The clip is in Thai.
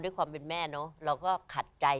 ความเป็นแม่เนอะเราก็ขัดใจ